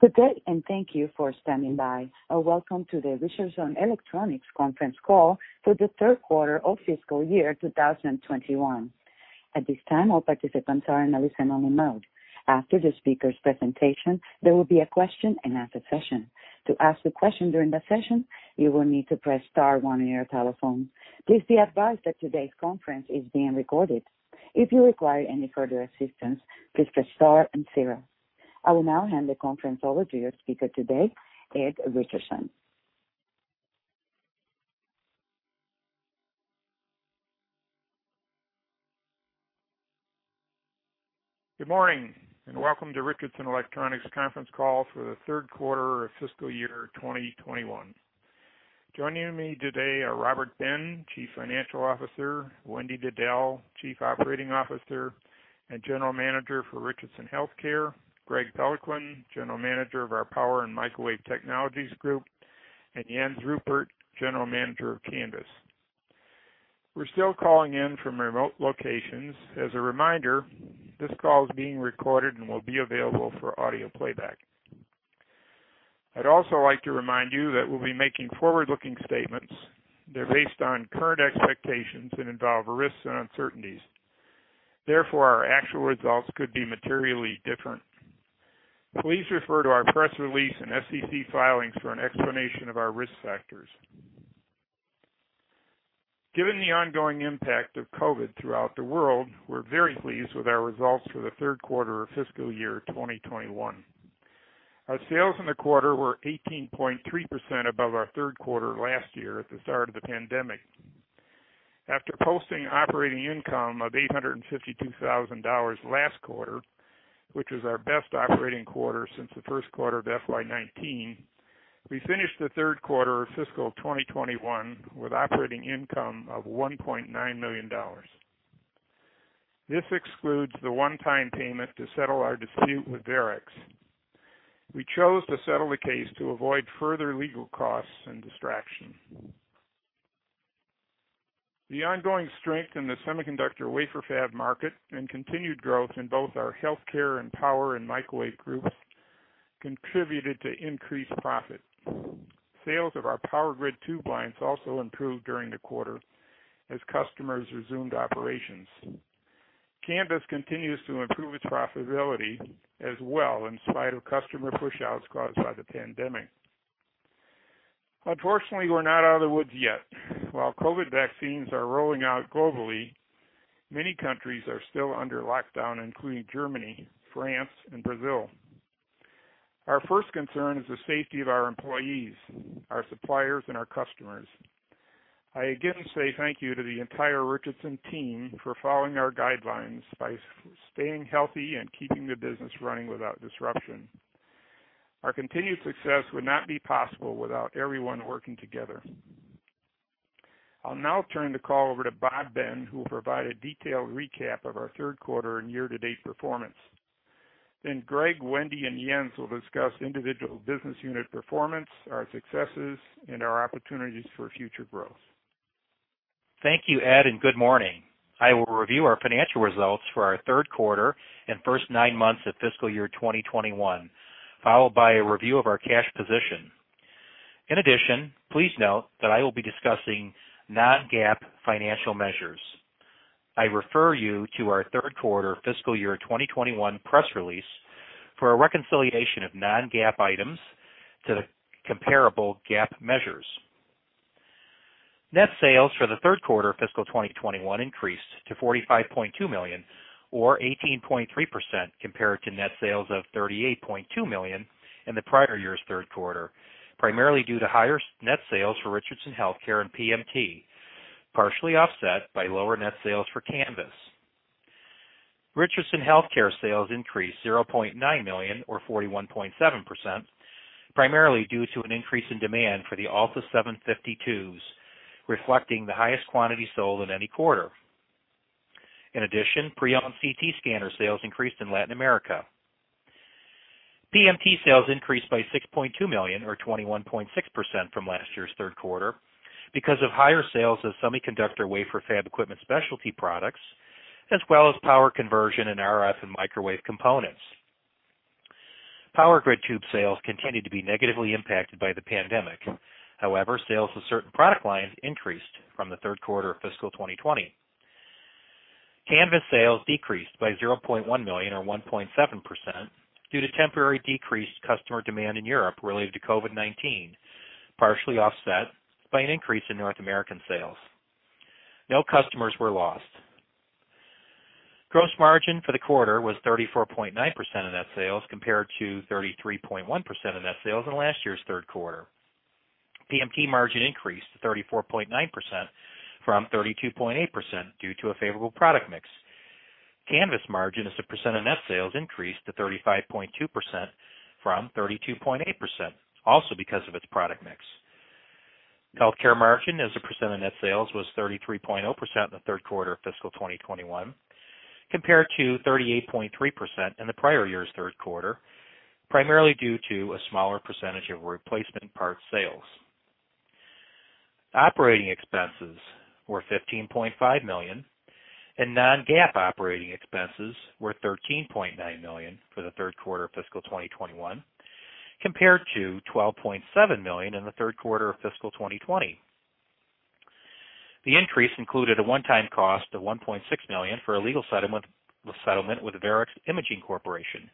Good day, and thank you for standing by. Welcome to the Richardson Electronics Conference Call for the third quarter of fiscal year 2021. I will now hand the conference over to your speaker today, Ed Richardson. Good morning, welcome to Richardson Electronics conference call for the third quarter of fiscal year 2021. Joining me today are Robert Ben, Chief Financial Officer, Wendy Diddell, Chief Operating Officer and General Manager for Richardson Healthcare, Greg Peloquin, General Manager of our Power & Microwave Technologies group, and Jens Ruppert, General Manager of Canvys. We're still calling in from remote locations. As a reminder, this call is being recorded and will be available for audio playback. I'd also like to remind you that we'll be making forward-looking statements. They're based on current expectations and involve risks and uncertainties. Our actual results could be materially different. Please refer to our press release and SEC filings for an explanation of our risk factors. Given the ongoing impact of COVID throughout the world, we're very pleased with our results for the third quarter of fiscal year 2021. Our sales in the quarter were 18.3% above our third quarter last year at the start of the pandemic. After posting operating income of $852,000 last quarter, which was our best operating quarter since the first quarter of FY19, we finished the third quarter of fiscal 2021 with operating income of $1.9 million. This excludes the one-time payment to settle our dispute with Varex. We chose to settle the case to avoid further legal costs and distraction. The ongoing strength in the semiconductor wafer fab market and continued growth in both our Healthcare and Power & Microwave Group contributed to increased profit. Sales of our Power Grid tube lines also improved during the quarter as customers resumed operations. Canvys continues to improve its profitability as well, in spite of customer pushouts caused by the pandemic. Unfortunately, we're not out of the woods yet. While COVID vaccines are rolling out globally, many countries are still under lockdown, including Germany, France, and Brazil. Our first concern is the safety of our employees, our suppliers, and our customers. I again say thank you to the entire Richardson team for following our guidelines by staying healthy and keeping the business running without disruption. Our continued success would not be possible without everyone working together. I'll now turn the call over to Bob Ben, who will provide a detailed recap of our third quarter and year-to-date performance. Greg, Wendy, and Jens will discuss individual business unit performance, our successes, and our opportunities for future growth. Thank you, Ed, and good morning. I will review our financial results for our third quarter and first nine months of fiscal year 2021, followed by a review of our cash position. In addition, please note that I will be discussing non-GAAP financial measures. I refer you to our third quarter fiscal year 2021 press release for a reconciliation of non-GAAP items to the comparable GAAP measures. Net sales for the third quarter fiscal 2021 increased to $45.2 million, or 18.3%, compared to net sales of $38.2 million in the prior year's third quarter, primarily due to higher net sales for Richardson Healthcare and PMT, partially offset by lower net sales for Canvys. Richardson Healthcare sales increased $0.9 million, or 41.7%, primarily due to an increase in demand for the ALTA750 tubes, reflecting the highest quantity sold in any quarter. In addition, pre-owned CT scanner sales increased in Latin America. PMT sales increased by $6.2 million, or 21.6%, from last year's third quarter because of higher sales of semiconductor wafer fab equipment specialty products, as well as power conversion and RF and microwave components. Power Grid tube sales continued to be negatively impacted by the pandemic. However, sales of certain product lines increased from the third quarter of fiscal 2020. Canvys sales decreased by $0.1 million, or 1.7%, due to temporary decreased customer demand in Europe related to COVID-19, partially offset by an increase in North American sales. No customers were lost. Gross margin for the quarter was 34.9% of net sales, compared to 33.1% of net sales in last year's third quarter. PMT margin increased to 34.9% from 32.8% due to a favorable product mix. Canvys margin as a percent of net sales increased to 35.2% from 32.8%, also because of its product mix. Healthcare margin as a percent of net sales was 33.0% in the third quarter of fiscal 2021, compared to 38.3% in the prior year's third quarter, primarily due to a smaller percentage of replacement parts sales. Operating expenses were $15.5 million and non-GAAP operating expenses were $13.9 million for the third quarter of fiscal 2021, compared to $12.7 million in the third quarter of fiscal 2020. The increase included a one-time cost of $1.6 million for a legal settlement with Varex Imaging Corporation.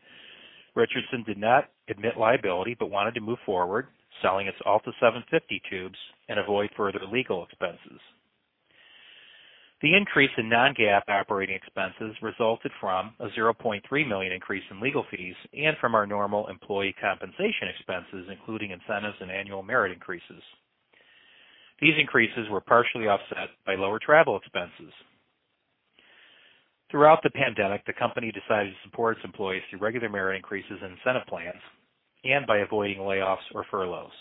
Richardson did not admit liability, but wanted to move forward, selling its ALTA750 tubes and avoid further legal expenses. The increase in non-GAAP operating expenses resulted from a $0.3 million increase in legal fees and from our normal employee compensation expenses, including incentives and annual merit increases. These increases were partially offset by lower travel expenses. Throughout the pandemic, the company decided to support its employees through regular merit increases and incentive plans and by avoiding layoffs or furloughs.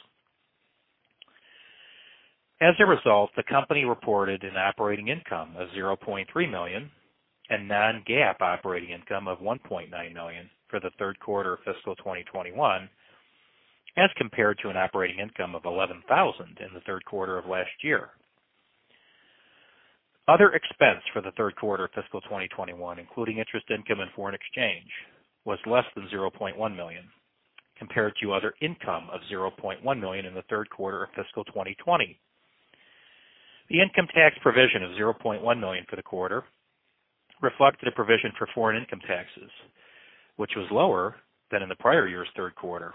As a result, the company reported an operating income of $0.3 million and non-GAAP operating income of $1.9 million for the third quarter of fiscal 2021 as compared to an operating income of $11,000 in the third quarter of last year. Other expense for the third quarter of fiscal 2021, including interest income and foreign exchange, was less than $0.1 million compared to other income of $0.1 million in the third quarter of fiscal 2020. The income tax provision of $0.1 million for the quarter reflected a provision for foreign income taxes, which was lower than in the prior year's third quarter,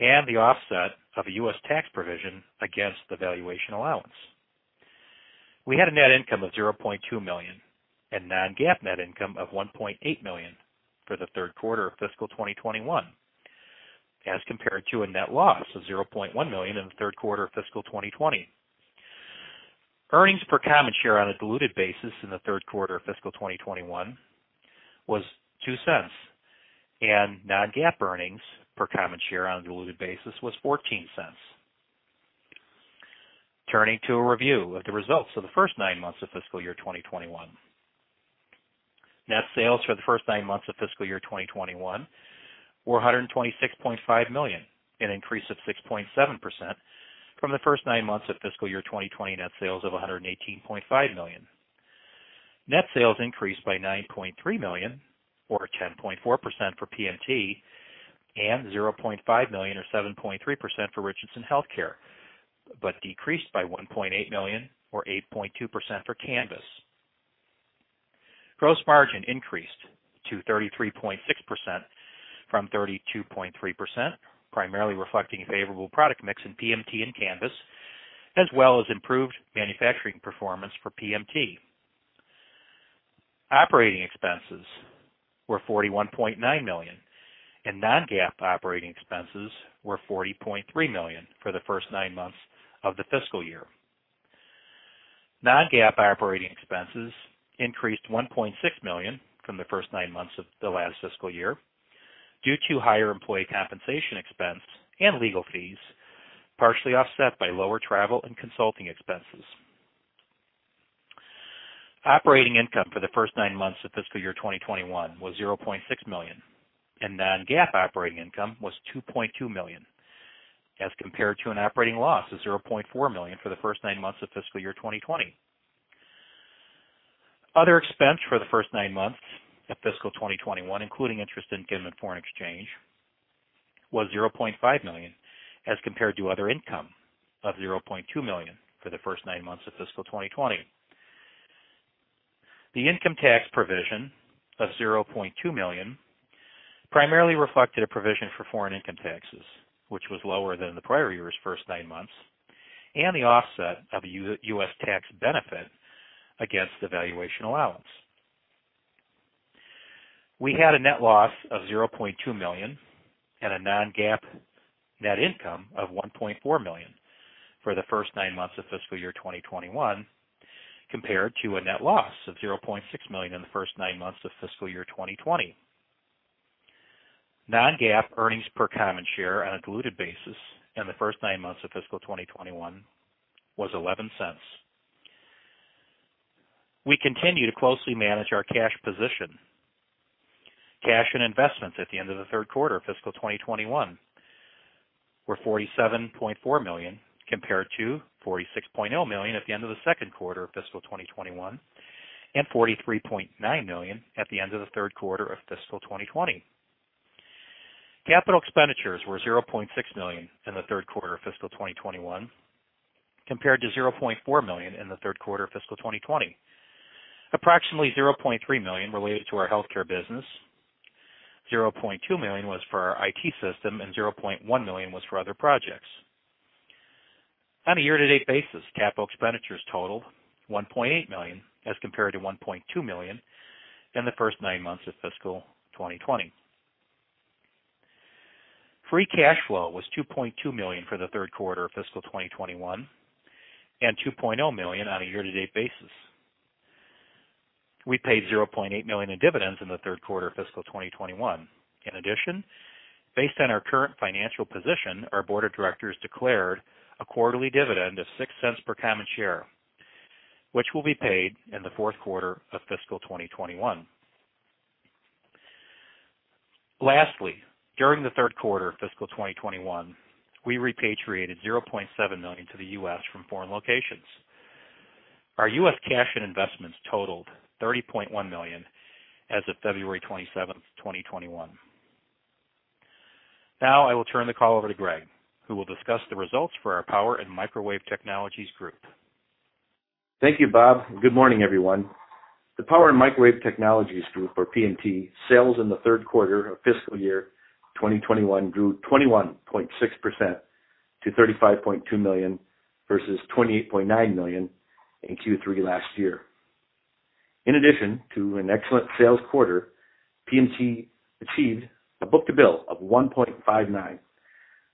and the offset of a U.S. tax provision against the valuation allowance. We had a net income of $0.2 million and non-GAAP net income of $1.8 million for the third quarter of fiscal 2021 as compared to a net loss of $0.1 million in the third quarter of fiscal 2020. Earnings per common share on a diluted basis in the third quarter of fiscal 2021 was $0.02, and non-GAAP earnings per common share on a diluted basis was $0.14. Turning to a review of the results of the first nine months of fiscal year 2021. Net sales for the first nine months of fiscal year 2021 were $126.5 million, an increase of 6.7% from the first nine months of fiscal year 2020 net sales of $118.5 million. Net sales increased by $9.3 million or 10.4% for PMT and $0.5 million or 7.3% for Richardson Healthcare, but decreased by $1.8 million or 8.2% for Canvys. Gross margin increased to 33.6% from 32.3%, primarily reflecting a favorable product mix in PMT and Canvys, as well as improved manufacturing performance for PMT. Operating expenses were $41.9 million and non-GAAP operating expenses were $40.3 million for the first nine months of the fiscal year. Non-GAAP operating expenses increased $1.6 million from the first nine months of the last fiscal year due to higher employee compensation expense and legal fees, partially offset by lower travel and consulting expenses. Operating income for the first nine months of fiscal year 2021 was $0.6 million and non-GAAP operating income was $2.2 million as compared to an operating loss of $0.4 million for the first nine months of fiscal year 2020. Other expense for the first nine months of fiscal 2021, including interest income and foreign exchange, was $0.5 million as compared to other income of $0.2 million for the first nine months of fiscal 2020. The income tax provision of $0.2 million primarily reflected a provision for foreign income taxes, which was lower than in the prior year's first nine months, and the offset of a U.S. tax benefit against the valuation allowance. We had a net loss of $0.2 million and a non-GAAP net income of $1.4 million for the first nine months of fiscal year 2021, compared to a net loss of $0.6 million in the first nine months of fiscal year 2020. Non-GAAP earnings per common share on a diluted basis in the first nine months of fiscal 2021 was $0.11. We continue to closely manage our cash position. Cash and investments at the end of the third quarter of fiscal 2021 were $47.4 million compared to $46.0 million at the end of the second quarter of fiscal 2021 and $43.9 million at the end of the third quarter of fiscal 2020. Capital expenditures were $0.6 million in the third quarter of fiscal 2021 compared to $0.4 million in the third quarter of fiscal 2020. Approximately $0.3 million related to our healthcare business, $0.2 million was for our IT system, and $0.1 million was for other projects. On a year-to-date basis, capital expenditures totaled $1.8 million as compared to $1.2 million in the first nine months of fiscal 2020. Free cash flow was $2.2 million for the third quarter of fiscal 2021 and $2.0 million on a year-to-date basis. We paid $0.8 million in dividends in the third quarter of fiscal 2021. In addition, based on our current financial position, our board of directors declared a quarterly dividend of $0.06 per common share, which will be paid in the fourth quarter of fiscal 2021. During the third quarter of fiscal 2021, we repatriated $0.7 million to the U.S. from foreign locations. Our U.S. cash and investments totaled $30.1 million as of February 27, 2021. I will turn the call over to Greg, who will discuss the results for our Power & Microwave Technologies group. Thank you, Bob. Good morning, everyone. The Power & Microwave Technologies group, or PMT, sales in the third quarter of fiscal year 2021 grew 21.6% to $35.2 million versus $28.9 million in Q3 last year. In addition to an excellent sales quarter, PMT achieved a book-to-bill of 1.59.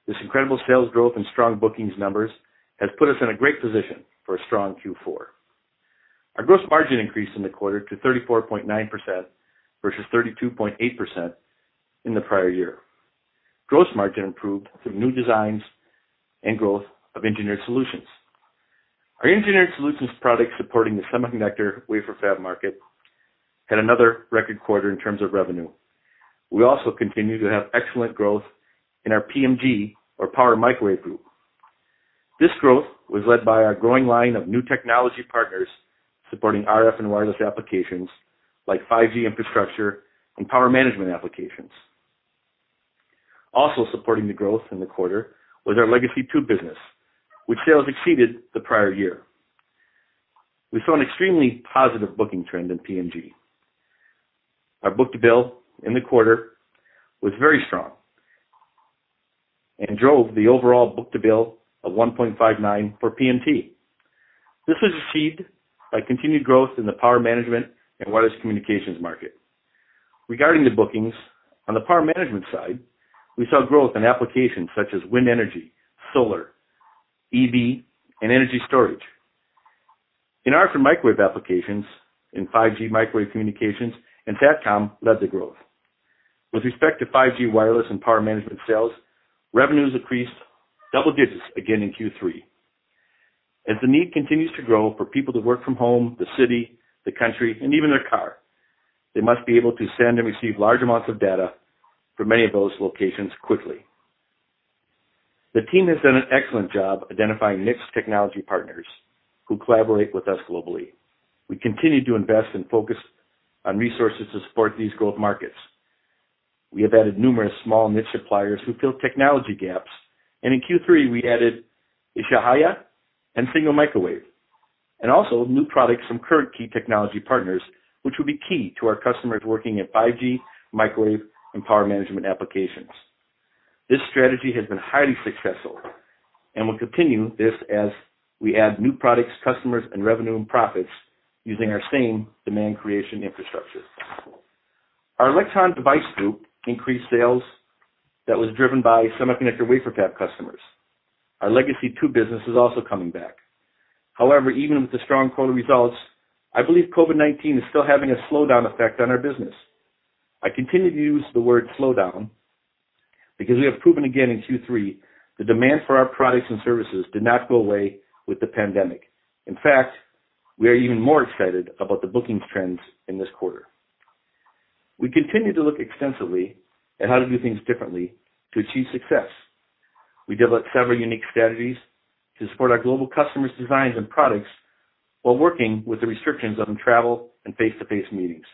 This incredible sales growth and strong bookings numbers has put us in a great position for a strong Q4. Our gross margin increased in the quarter to 34.9% versus 32.8% in the prior year. Gross margin improved through new designs and growth of engineered solutions. Our engineered solutions products supporting the semiconductor wafer fab market had another record quarter in terms of revenue. We also continue to have excellent growth in our PMG, or Power & Microwave Group. This growth was led by our growing line of new technology partners supporting RF and wireless applications like 5G infrastructure and power management applications. Also supporting the growth in the quarter was our legacy tube business, which sales exceeded the prior year. We saw an extremely positive booking trend in PMG. Our book-to-bill in the quarter was very strong and drove the overall book-to-bill of 1.59 for PMT. This was achieved by continued growth in the power management and wireless communications market. Regarding the bookings, on the power management side, we saw growth in applications such as wind energy, solar, EV, and energy storage. In RF and microwave applications, 5G microwave communications and SATCOM led to growth. With respect to 5G wireless and power management sales, revenues increased double digits again in Q3. As the need continues to grow for people to work from home, the city, the country, and even their car, they must be able to send and receive large amounts of data from many of those locations quickly. The team has done an excellent job identifying niche technology partners who collaborate with us globally. We continue to invest and focus on resources to support these growth markets. We have added numerous small niche suppliers who fill technology gaps, and in Q3, we added Isahaya and Signal Microwave, and also new products from current key technology partners, which will be key to our customers working at 5G, microwave, and power management applications. This strategy has been highly successful and will continue this as we add new products, customers, and revenue, and profits using our same demand creation infrastructure. Our Electron Device Group increased sales that was driven by semiconductor wafer fab customers. Our legacy tube business is also coming back. However, even with the strong quarter results, I believe COVID-19 is still having a slowdown effect on our business. I continue to use the word slowdown because we have proven again in Q3 the demand for our products and services did not go away with the pandemic. We are even more excited about the bookings trends in this quarter. We continue to look extensively at how to do things differently to achieve success. We developed several unique strategies to support our global customers' designs and products while working with the restrictions on travel and face-to-face meetings.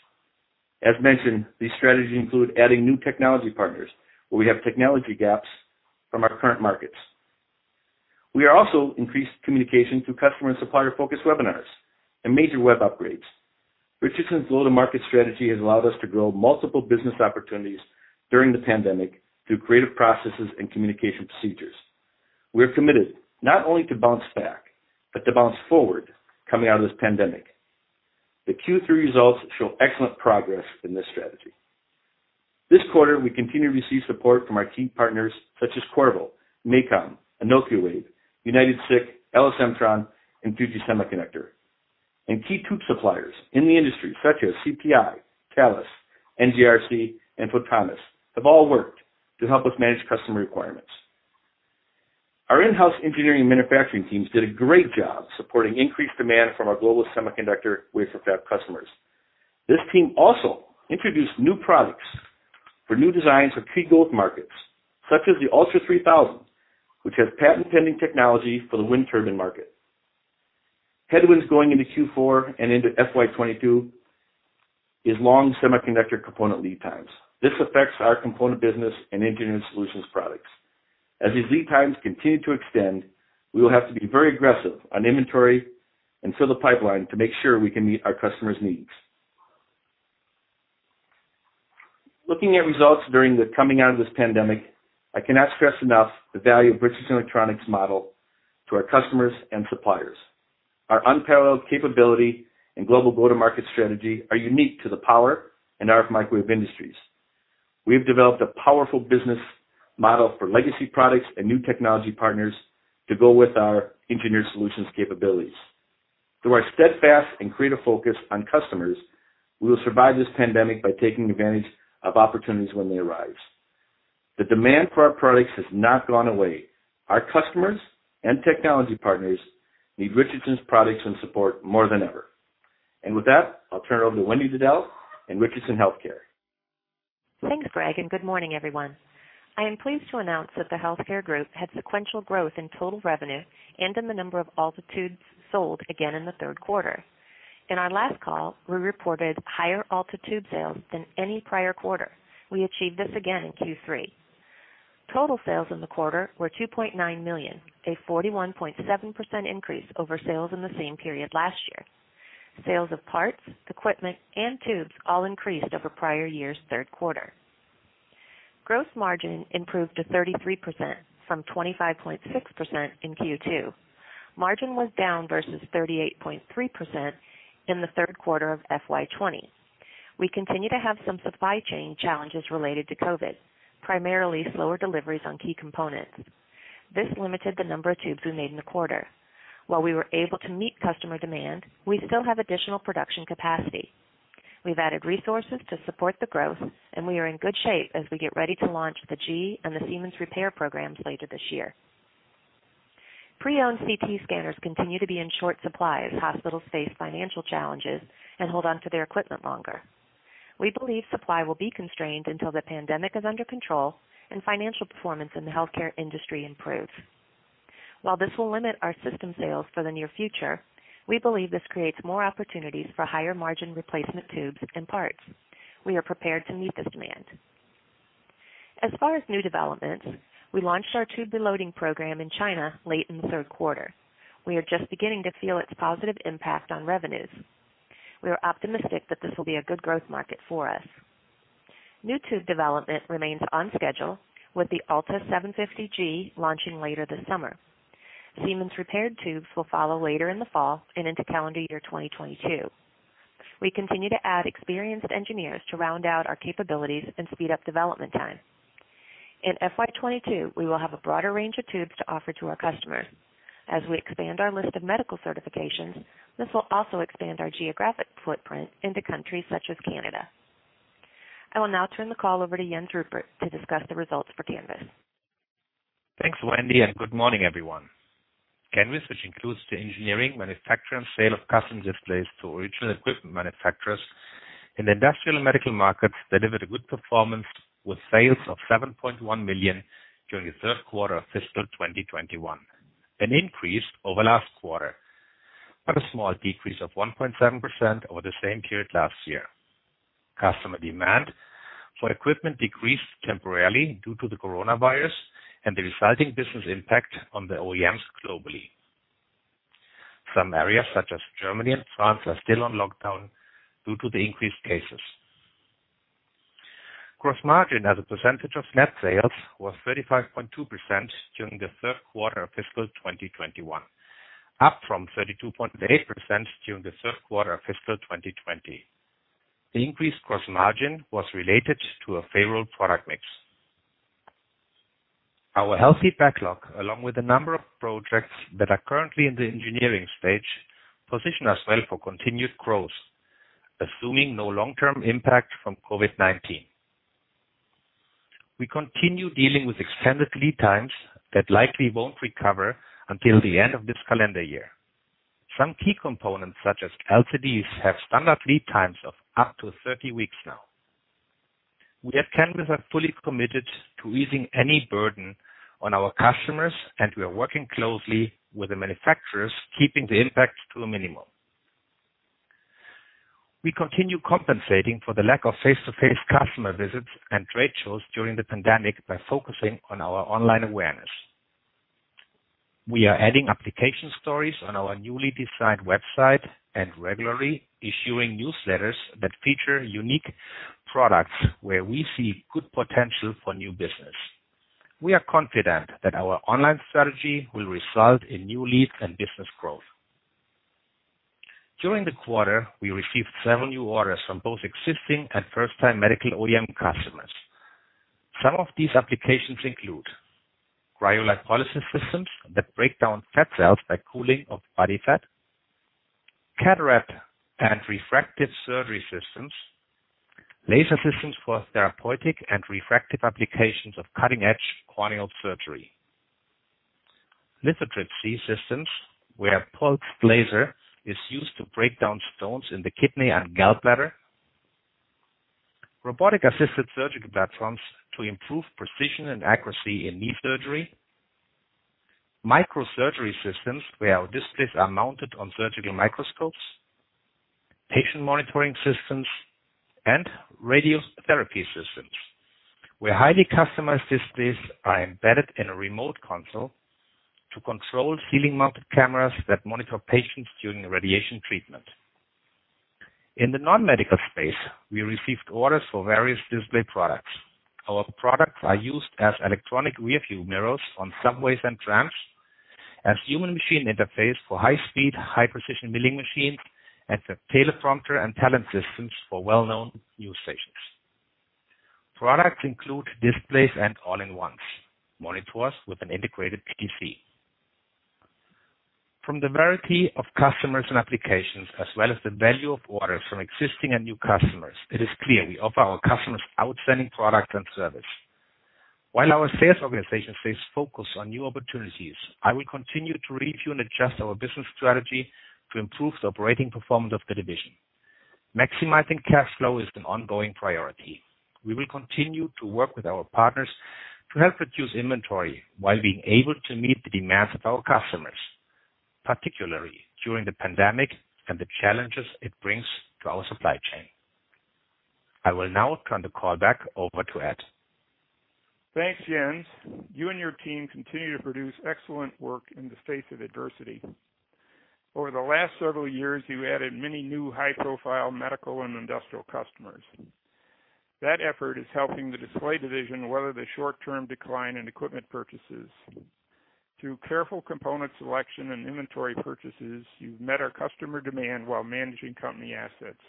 As mentioned, these strategies include adding new technology partners where we have technology gaps from our current markets. We are also increased communication through customer and supplier-focused webinars and major web upgrades. Richardson's go-to-market strategy has allowed us to grow multiple business opportunities during the pandemic through creative processes and communication procedures. We're committed not only to bounce back, but to bounce forward coming out of this pandemic. The Q3 results show excellent progress in this strategy. This quarter, we continue to receive support from our key partners such as Qorvo, MACOM, Anokiwave, UnitedSiC, LS Mtron, and Fuji Electric. Key tube suppliers in the industry such as CPI, Thales, NJRC, and Photonis have all worked to help us manage customer requirements. Our in-house engineering manufacturing teams did a great job supporting increased demand from our global semiconductor wafer fab customers. This team also introduced new products for new designs for key growth markets such as the ULTRA3000, which has patent-pending technology for the wind turbine market. Headwinds going into Q4 and into FY22 is long semiconductor component lead times. This affects our component business and engineering solutions products. As these lead times continue to extend, we will have to be very aggressive on inventory and fill the pipeline to make sure we can meet our customers' needs. Looking at results during the coming out of this pandemic, I cannot stress enough the value of Richardson Electronics' model to our customers and suppliers. Our unparalleled capability and global go-to-market strategy are unique to the power and RF microwave industries. We have developed a powerful business model for legacy products and new technology partners to go with our engineered solutions capabilities. Through our steadfast and creative focus on customers, we will survive this pandemic by taking advantage of opportunities when they arise. The demand for our products has not gone away. Our customers and technology partners need Richardson's products and support more than ever. With that, I'll turn it over to Wendy Diddell in Richardson Healthcare. Thanks, Greg. Good morning, everyone. I am pleased to announce that the healthcare group had sequential growth in total revenue and in the number of ALTA tubes sold again in the third quarter. In our last call, we reported higher ALTA tube sales than any prior quarter. We achieved this again in Q3. Total sales in the quarter were $2.9 million, a 41.7% increase over sales in the same period last year. Sales of parts, equipment, and tubes all increased over prior year's third quarter. Gross margin improved to 33% from 25.6% in Q2. Margin was down versus 38.3% in the third quarter of FY20. We continue to have some supply chain challenges related to COVID-19, primarily slower deliveries on key components. This limited the number of tubes we made in the quarter. While we were able to meet customer demand, we still have additional production capacity. We've added resources to support the growth, and we are in good shape as we get ready to launch the GE and the Siemens repair programs later this year. Pre-owned CT scanners continue to be in short supply as hospitals face financial challenges and hold on to their equipment longer. We believe supply will be constrained until the pandemic is under control and financial performance in the healthcare industry improves. While this will limit our system sales for the near future, we believe this creates more opportunities for higher-margin replacement tubes and parts. We are prepared to meet this demand. As far as new developments, we launched our tube reloading program in China late in the third quarter. We are just beginning to feel its positive impact on revenues. We are optimistic that this will be a good growth market for us. New tube development remains on schedule, with the ALTA750G launching later this summer. Siemens repaired tubes will follow later in the fall and into calendar year 2022. We continue to add experienced engineers to round out our capabilities and speed up development time. In FY22, we will have a broader range of tubes to offer to our customers. As we expand our list of medical certifications, this will also expand our geographic footprint into countries such as Canada. I will now turn the call over to Jens Ruppert to discuss the results for Canvys. Thanks, Wendy, and good morning, everyone. Canvys, which includes the engineering, manufacture, and sale of custom displays to original equipment manufacturers in the industrial and medical markets, delivered a good performance with sales of $7.1 million during the third quarter of fiscal 2021, an increase over last quarter, but a small decrease of 1.7% over the same period last year. Customer demand for equipment decreased temporarily due to the coronavirus and the resulting business impact on the OEMs globally. Some areas such as Germany and France are still on lockdown due to the increased cases. Gross margin as a percentage of net sales was 35.2% during the third quarter of fiscal 2021, up from 32.8% during the third quarter of fiscal 2020. The increased gross margin was related to a favorable product mix. Our healthy backlog, along with the number of projects that are currently in the engineering stage, position us well for continued growth, assuming no long-term impact from COVID-19. We continue dealing with extended lead times that likely won't recover until the end of this calendar year. Some key components, such as LCDs, have standard lead times of up to 30 weeks now. We at Canvys are fully committed to easing any burden on our customers, and we are working closely with the manufacturers, keeping the impact to a minimum. We continue compensating for the lack of face-to-face customer visits and trade shows during the pandemic by focusing on our online awareness. We are adding application stories on our newly designed website and regularly issuing newsletters that feature unique products where we see good potential for new business. We are confident that our online strategy will result in new leads and business growth. During the quarter, we received several new orders from both existing and first-time medical OEM customers. Some of these applications include cryolipolysis systems that break down fat cells by cooling of body fat, cataract and refractive surgery systems, laser systems for therapeutic and refractive applications of cutting-edge corneal surgery, lithotripsy systems, where a pulsed laser is used to break down stones in the kidney and gallbladder, robotic-assisted surgical platforms to improve precision and accuracy in knee surgery, microsurgery systems, where our displays are mounted on surgical microscopes, patient monitoring systems, and radiotherapy systems, where highly customized displays are embedded in a remote console to control ceiling-mounted cameras that monitor patients during radiation treatment. In the non-medical space, we received orders for various display products. Our products are used as electronic rearview mirrors on subways and trams, as human-machine interface for high-speed, high-precision milling machines, and for teleprompter and talent systems for well-known news stations. Products include displays and all-in-ones, monitors with an integrated PC. From the variety of customers and applications, as well as the value of orders from existing and new customers, it is clear we offer our customers outstanding products and service. While our sales organization stays focused on new opportunities, I will continue to review and adjust our business strategy to improve the operating performance of the division. Maximizing cash flow is an ongoing priority. We will continue to work with our partners to help reduce inventory while being able to meet the demands of our customers, particularly during the pandemic and the challenges it brings to our supply chain. I will now turn the call back over to Ed. Thanks, Jens. You and your team continue to produce excellent work in the face of adversity. Over the last several years, you added many new high-profile medical and industrial customers. That effort is helping the display division weather the short-term decline in equipment purchases. Through careful component selection and inventory purchases, you've met our customer demand while managing company assets.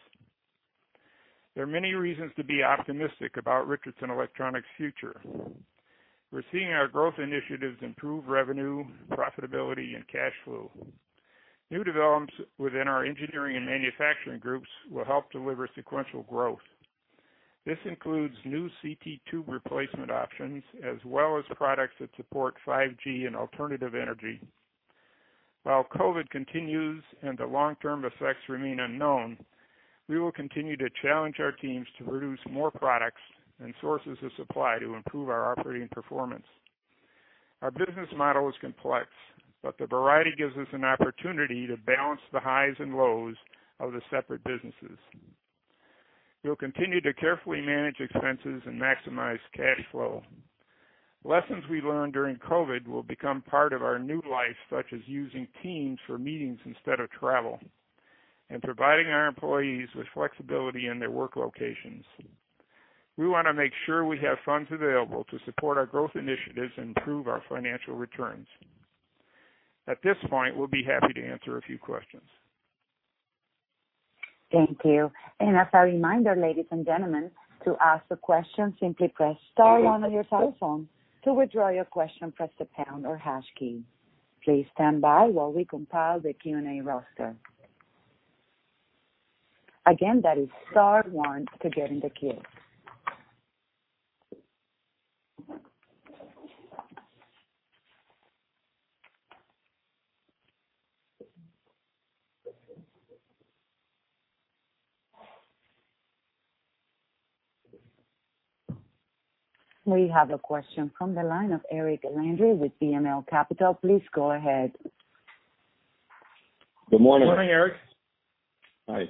There are many reasons to be optimistic about Richardson Electronics' future. We're seeing our growth initiatives improve revenue, profitability, and cash flow. New developments within our engineering and manufacturing groups will help deliver sequential growth. This includes new CT tube replacement options, as well as products that support 5G and alternative energy. While COVID continues, and the long-term effects remain unknown, we will continue to challenge our teams to produce more products and sources of supply to improve our operating performance. Our business model is complex, but the variety gives us an opportunity to balance the highs and lows of the separate businesses. We will continue to carefully manage expenses and maximize cash flow. Lessons we learned during COVID will become part of our new life, such as using Teams for meetings instead of travel and providing our employees with flexibility in their work locations. We want to make sure we have funds available to support our growth initiatives and improve our financial returns. At this point, we'll be happy to answer a few questions. Thank you. As a reminder, ladies and gentlemen, to ask a question, simply press star one on your telephone. To withdraw your question, press the pound or hash key. Please stand by while we compile the Q&A roster. Again, that is star one to get in the queue. We have a question from the line of Eric Landry with BML Capital. Please go ahead. Good morning. Morning, Eric. Hi.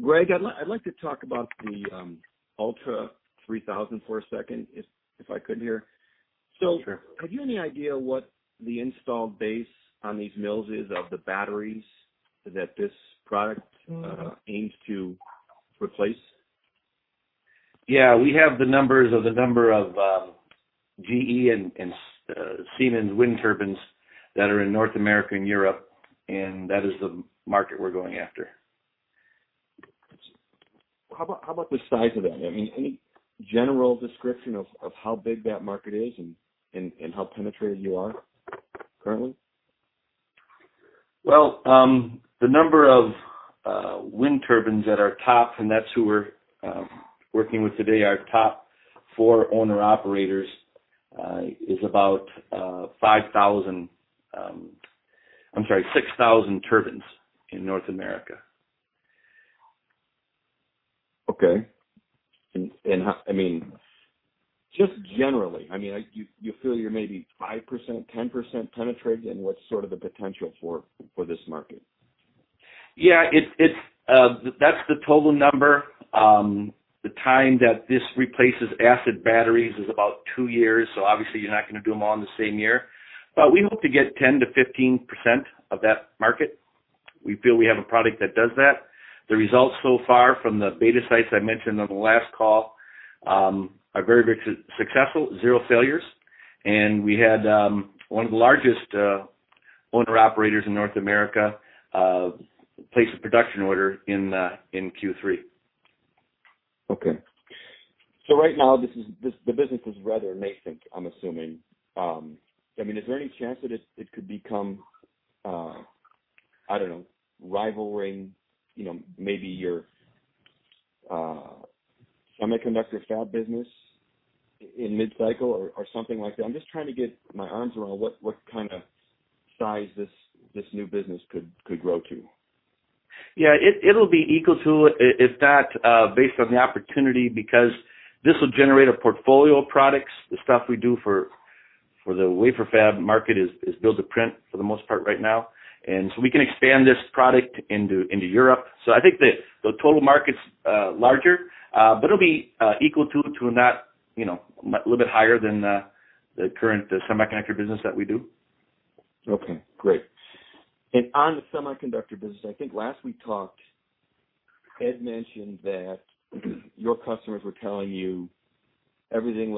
Greg, I'd like to talk about the ULTRA3000 for a second if I could here. Sure. Have you any idea what the installed base on these mills is of the batteries that this product aims to replace? Yeah. We have the number of GE and Siemens wind turbines that are in North America and Europe. That is the market we're going after. How about the size of that? Any general description of how big that market is and how penetrated you are currently? Well, the number of wind turbines at our top, and that's who we're working with today, our top four owner-operators, is about 5,000, I'm sorry, 6,000 turbines in North America. Okay. Just generally, you feel you're maybe 5%, 10% penetrated? What's sort of the potential for this market? That's the total number. The time that this replaces acid batteries is about two years. Obviously, you're not going to do them all in the same year. We hope to get 10%-15% of that market. We feel we have a product that does that. The results so far from the beta sites I mentioned on the last call, are very successful. Zero failures. We had one of the largest owner-operators in North America place a production order in Q3. Right now, the business is rather nascent, I'm assuming. Is there any chance that it could become, I don't know, rivaling maybe your semiconductor fab business in mid-cycle or something like that? I'm just trying to get my arms around what kind of size this new business could grow to. Yeah. It'll be equal to, if not based on the opportunity, because this will generate a portfolio of products. The stuff we do for the wafer fab market is build to print for the most part right now. We can expand this product into Europe. I think the total market's larger, but it'll be equal to not a little bit higher than the current semiconductor business that we do. Okay, great. On the semiconductor business, I think last we talked, Ed mentioned that your customers were telling you everything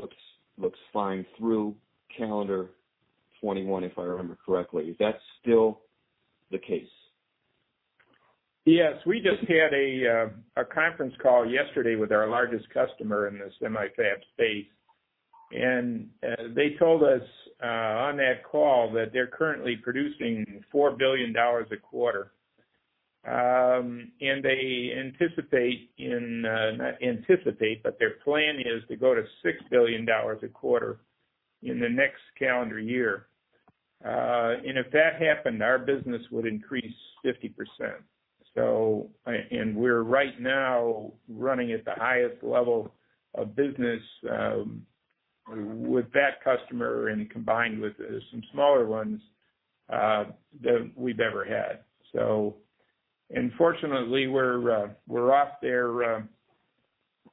looks fine through calendar 2021, if I remember correctly. Is that still the case? Yes. We just had a conference call yesterday with our largest customer in the semi-fab space, and they told us on that call that they're currently producing $4 billion a quarter. They anticipate, not anticipate, but their plan is to go to $6 billion a quarter in the next calendar year. If that happened, our business would increase 50%. We're right now running at the highest level of business with that customer and combined with some smaller ones, than we've ever had. Fortunately, we're off their,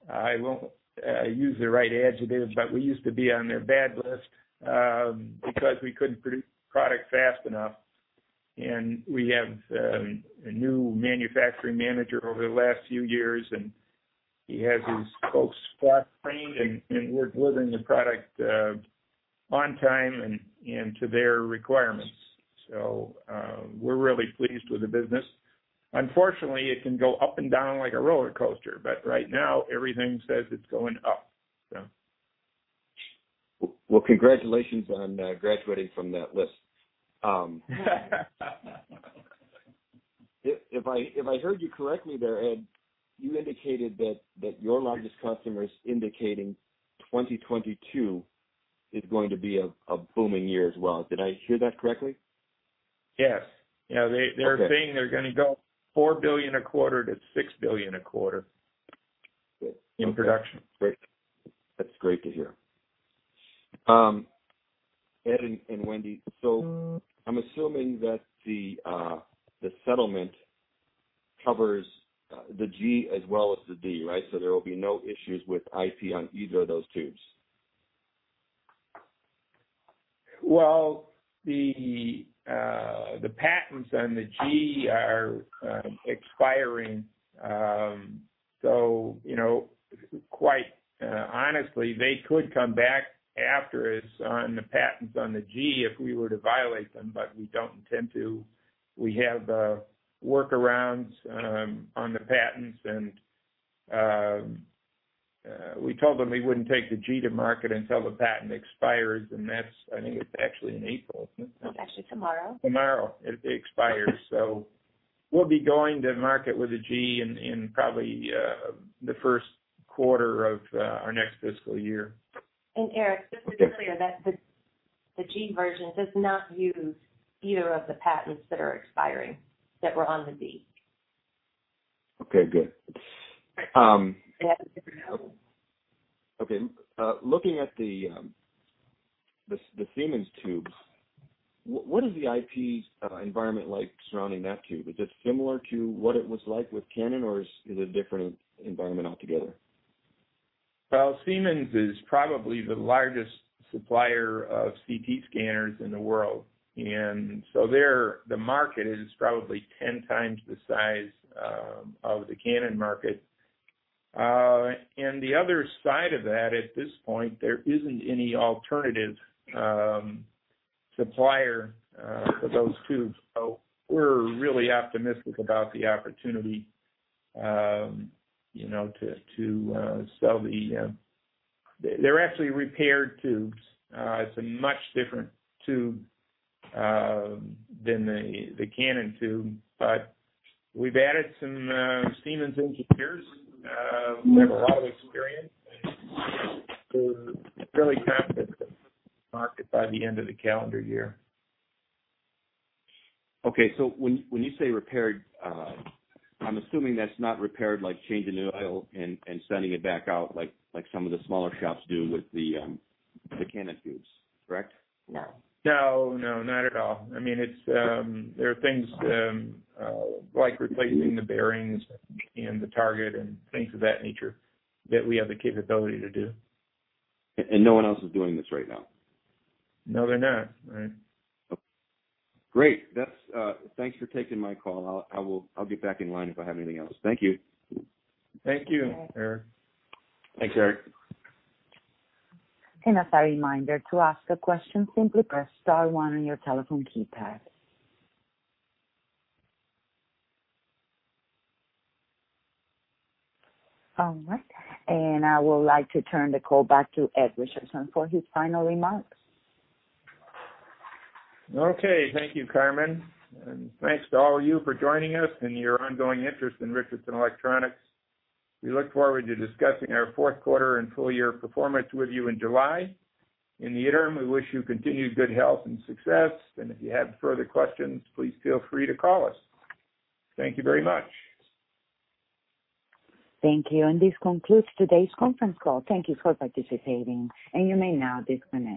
I won't use the right adjective, but we used to be on their bad list because we couldn't produce product fast enough. We have a new manufacturing manager over the last few years, and he has his folks spot training, and we're delivering the product on time and to their requirements. We're really pleased with the business. Unfortunately, it can go up and down like a roller coaster, but right now, everything says it's going up. Well, congratulations on graduating from that list. If I heard you correctly there, Ed, you indicated that your largest customer's indicating 2022 is going to be a booming year as well. Did I hear that correctly? Yes. Okay. They're saying they're going to go $4 billion a quarter-$6 billion a quarter in production. Great. That's great to hear. Ed and Wendy, I'm assuming that the settlement covers the G as well as the D, right? There will be no issues with IP on either of those tubes. Well, the patents on the G are expiring. Quite honestly, they could come back after us on the patents on the G if we were to violate them, but we don't intend to. We have workarounds on the patents, and we told them we wouldn't take the G to market until the patent expires, and I think it's actually in April. Isn't it? It's actually tomorrow. Tomorrow it expires. We'll be going to market with the G in probably the first quarter of our next fiscal year. Eric, just to be clear, the G version does not use either of the patents that are expiring that were on the D. Okay, good. Okay. Looking at the Siemens tubes, what is the IP environment like surrounding that tube? Is it similar to what it was like with Canon, or is it a different environment altogether? Well, Siemens is probably the largest supplier of CT scanners in the world. There, the market is probably 10 times the size of the Canon market. The other side of that, at this point, there isn't any alternative supplier for those tubes. We're really optimistic about the opportunity to sell. They're actually repaired tubes. It's a much different tube than the Canon tube. We've added some Siemens engineers, who have a lot of experience, and we're really confident that we'll be to market by the end of the calendar year. When you say repaired, I'm assuming that's not repaired like changing the oil and sending it back out like some of the smaller shops do with the Canon tubes, correct? No. No, not at all. There are things like replacing the bearings and the target and things of that nature that we have the capability to do. No one else is doing this right now? No, they're not. Right. Great. Thanks for taking my call. I'll get back in line if I have anything else. Thank you. Thank you, Eric. Thanks, Eric. As a reminder, to ask a question, simply press star one on your telephone keypad. All right. I would like to turn the call back to Ed Richardson for his final remarks. Okay. Thank you, Carmen. Thanks to all of you for joining us and your ongoing interest in Richardson Electronics. We look forward to discussing our fourth quarter and full year performance with you in July. In the interim, we wish you continued good health and success. If you have further questions, please feel free to call us. Thank you very much. Thank you. This concludes today's conference call. Thank you for participating, and you may now disconnect.